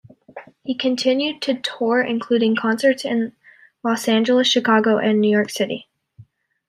He continued to tour including concerts in Los Angeles, Chicago and New York City.